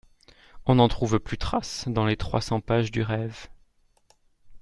On n'en trouve plus trace dans les trois cents pages du Rêve.